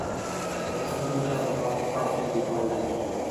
人生就像当诈骗集团一样